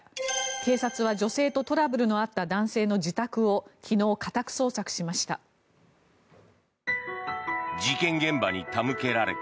警察は女性とトラブルのあった男性の自宅を昨日、家宅捜索しました。